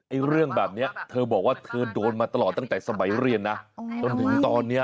เรื่องแบบนี้เธอบอกว่าเธอโดนมาตลอดตั้งแต่สมัยเรียนนะจนถึงตอนนี้